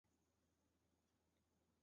是一类激素。